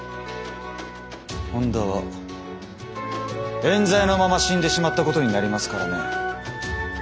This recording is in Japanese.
本田はえん罪のまま死んでしまったことになりますからね。